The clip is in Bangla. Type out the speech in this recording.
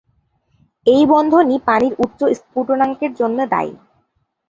এই বন্ধন ই পানির উচ্চ স্ফুটনম্বরক এর জন্য দায়ী।